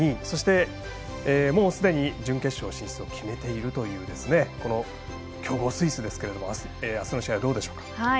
そして、もうすでに準決勝進出を決めている強豪、スイスですけどもあすの試合はどうでしょうか？